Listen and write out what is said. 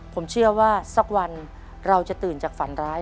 ผมเชื่อว่าสักวันเราจะตื่นจากฝันร้าย